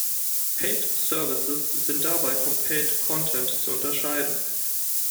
Paid Services sind dabei vom Paid Content zu unterscheiden.